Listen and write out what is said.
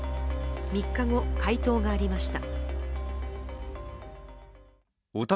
３日後、回答がありました。